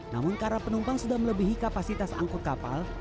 namun karena penumpang sudah melebihi kapasitas angkut kapal